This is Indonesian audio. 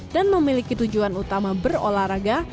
dan memiliki tujuan utama berolahraga